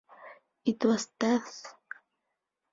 It was death.